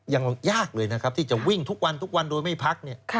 ยังยากเลยนะครับที่จะวิ่งทุกวันทุกวันโดยไม่พักเนี่ย